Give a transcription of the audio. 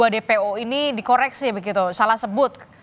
dua dpo ini dikoreksi begitu salah sebut